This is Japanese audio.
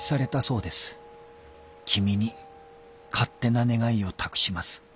君に勝手な願いを託します」。